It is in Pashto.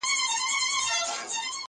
سرونه رغړي ویني وبهیږي!.